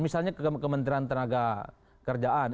misalnya kementerian tenaga kerjaan